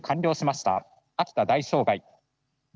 秋田大障害。